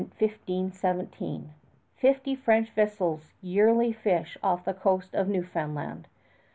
By 1517, fifty French vessels yearly fish off the coast of New Found Land.